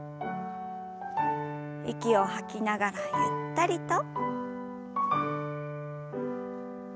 息を吐きながらゆったりと。